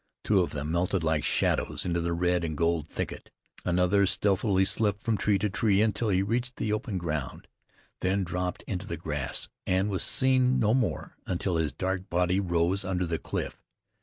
Two of them melted like shadows into the red and gold thicket. Another stealthily slipped from tree to tree until he reached the open ground, then dropped into the grass, and was seen no more until his dark body rose under the cliff.